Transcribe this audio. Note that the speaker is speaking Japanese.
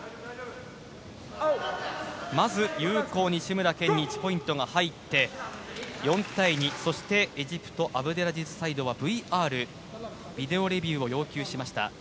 まず有効は西村拳に１ポイントが入って４対２、そしてエジプトアブデラジズサイドはＶＲ、ビデオレビューを要求しました。